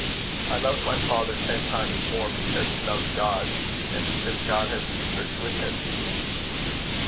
I love my father ten times more because he loves God, and because God has secrets with him."